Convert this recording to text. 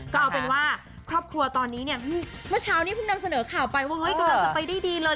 ก็เอาเป็นว่าครอบครัวตอนนี้เนี่ยเมื่อเช้านี้เพิ่งนำเสนอข่าวไปว่าเฮ้ยกำลังจะไปได้ดีเลย